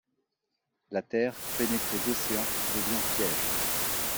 La terre, pénétrée d’océan, devient piège.